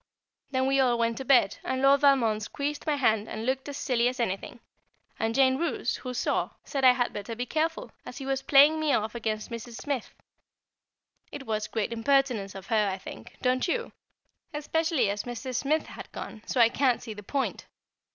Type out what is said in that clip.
Then we all went to bed, and Lord Valmond squeezed my hand and looked as silly as anything, and Jane Roose, who saw, said I had better be careful, as he was playing me off against Mrs. Smith. It was great impertinence of her, I think don't you? especially as Mrs. Smith had gone, so I can't see the point.